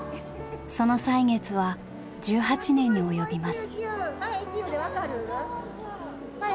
その歳月は１８年に及びます。